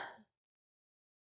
ada tamu buat ibu